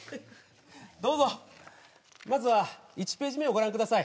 どうぞまずは１ページ目をご覧ください